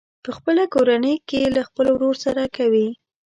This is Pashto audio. په خپله کورنۍ کې له خپل ورور سره کوي.